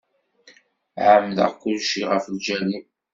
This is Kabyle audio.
Ɛemmdeɣ kulci ɣef lǧal-im.